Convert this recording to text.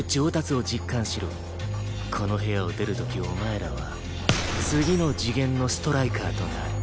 この部屋を出る時お前らは次の次元のストライカーとなる。